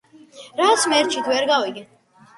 რას მერჩით ვერ გავიგე